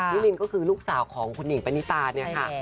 ลินก็คือลูกสาวของคุณหิงปณิตาเนี่ยค่ะ